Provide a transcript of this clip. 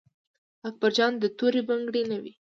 اکبر جان د تورې بنګړي نه و.